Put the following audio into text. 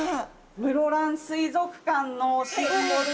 室蘭水族館のシンボル